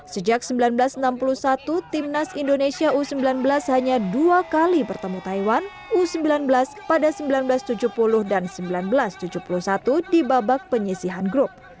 sejak seribu sembilan ratus enam puluh satu timnas indonesia u sembilan belas hanya dua kali bertemu taiwan u sembilan belas pada seribu sembilan ratus tujuh puluh dan seribu sembilan ratus tujuh puluh satu di babak penyisihan grup